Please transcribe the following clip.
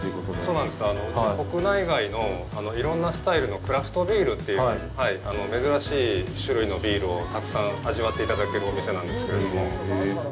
うちは、国内外のいろんなスタイルのクラフトビールという、珍しい種類のビールをたくさん味わっていただけるお店なんです。